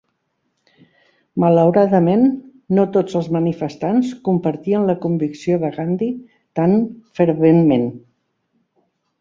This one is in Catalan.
Malauradament, no tots els manifestants compartien la convicció de Gandhi tan ferventment.